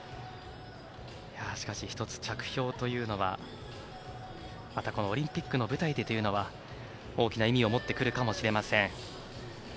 しかし１つ着氷というのはまた、オリンピックの舞台でというのは大きな意味を持ってくるかもしれません。